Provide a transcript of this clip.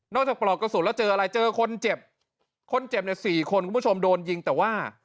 จากปลอกกระสุนแล้วเจออะไรเจอคนเจ็บคนเจ็บเนี่ยสี่คนคุณผู้ชมโดนยิงแต่ว่า